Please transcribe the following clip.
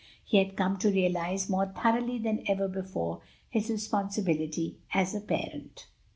He had come to realize more thoroughly than ever before his responsibility as a parent.